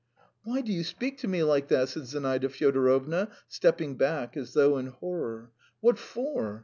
"Why do you speak to me like that?" said Zinaida Fyodorovna, stepping back as though in horror. "What for?